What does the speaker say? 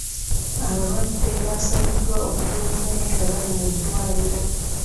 Abalwadde baasabiddwa okugula emmere nga bali mu ddwaliro.